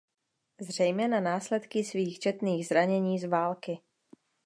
Zřejmě na následky svých četných zranění z války.